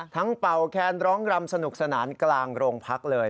เป่าแคนร้องรำสนุกสนานกลางโรงพักเลย